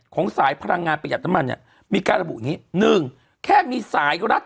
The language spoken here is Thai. สายพลังงานประหยัดน้ำมันเนี่ยมีการระบุอย่างนี้หนึ่งแค่มีสายรัด